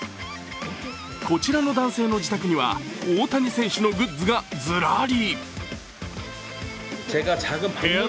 こちらの男性の自宅には大谷選手のグッズがずらり。